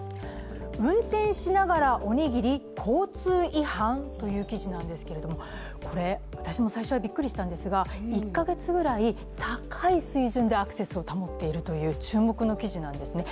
運転しながら「おにぎり」交通違反？という記事なんですけどこれ、私も最初はびっくりしたんですが、１カ月ぐらい高い水準でアクセスを保っているという注目の記事なんですね。